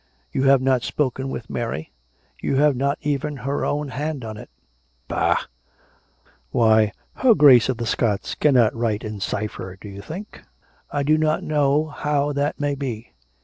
You have not spoken with Mary; you have not even her own hand on it." " Bah ! Why, her Grace of the Scots cannot write in cypher, do you think? "" I do not know how that may be.